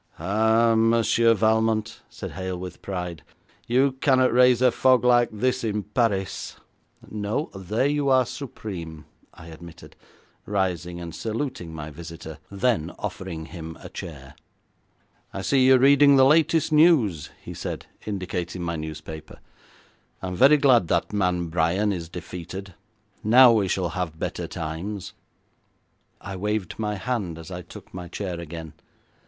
'Ah, Monsieur Valmont,' said Hale with pride, 'you cannot raise a fog like this in Paris!' 'No. There you are supreme,' I admitted, rising and saluting my visitor, then offering him a chair. 'I see you are reading the latest news,' he said, indicating my newspaper, 'I am very glad that man Bryan is defeated. Now we shall have better times.' I waved my hand as I took my chair again.